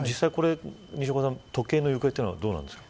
西岡さん、時計の行方はどうですか。